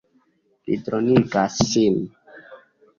Li dronigas sin.